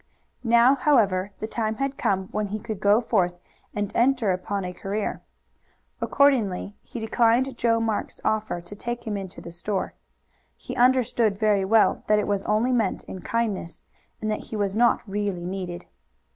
Now, however, the time had come when he could go forth and enter upon a career. Accordingly he declined Joe Marks' offer to take him into the store. He understood very well that it was only meant in kindness, and that he was not really needed.